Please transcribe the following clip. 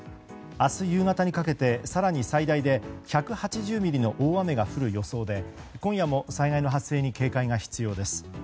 明日夕方にかけて更に最大で１８０ミリの大雨が降る予想で今夜も災害の発生に警戒が必要です。